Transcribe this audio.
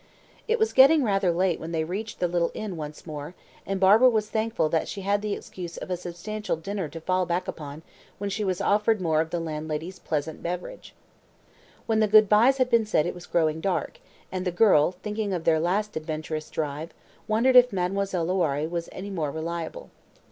It was getting rather late when they reached the little inn once more, and Barbara was thankful that she had the excuse of a substantial dinner to fall back upon when she was offered more of the landlady's "pleasant beverage." When the good byes had been said it was growing dark, and the girl, thinking of their last adventurous drive, wondered if Mademoiselle Loiré was any more reliable.